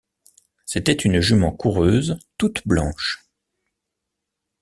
C’était une jument coureuse, toute blanche.